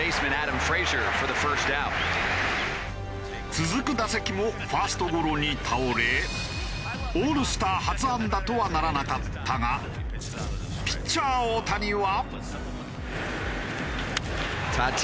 続く打席もファーストゴロに倒れオールスター初安打とはならなかったがピッチャー大谷は。